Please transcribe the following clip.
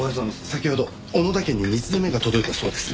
先ほど小野田家に２通目が届いたそうです。